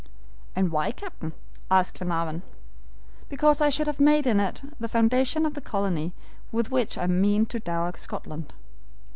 "And why, captain?" asked Glenarvan. "Because I should have made it the foundation of the colony with which I mean to dower Scotland."